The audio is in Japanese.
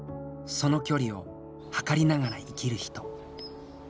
その距離を測りながら生きる人。